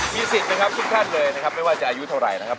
มีสิทธิ์นะครับทุกท่านเลยนะครับไม่ว่าจะอายุเท่าไหร่นะครับ